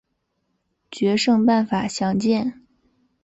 决胜办法详见。